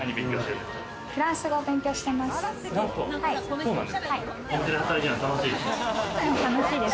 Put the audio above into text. フランス語を勉強してます。